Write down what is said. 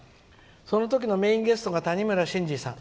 その時のメインゲストが谷村新司さん。